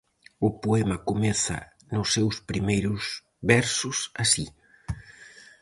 O poema comeza nos seus primeiros versos así.